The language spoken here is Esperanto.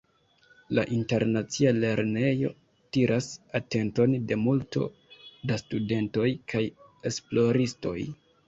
La Internacia Lernejo tiras atenton de multo da studentoj kaj esploristoj.